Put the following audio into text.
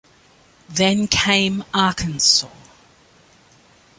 Then came Arkansas.